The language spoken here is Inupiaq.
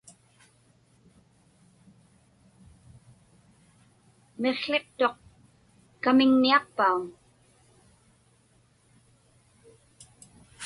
Miqłiqtuq kamiŋniaqpauŋ?